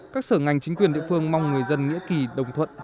các sở ngành chính quyền địa phương mong người dân nghĩa kỳ đồng thuận